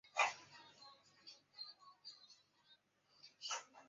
埃斯佩安迪兰。